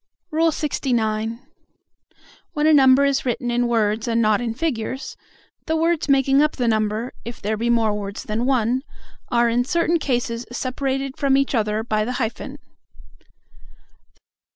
LXIX. When a number is written in words and not in figures, the words making up the number, if there be more words than one, are in certain cases separated from each other by the hyphen.